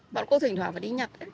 bọn cô thỉnh thoảng phải đi nhặt ấy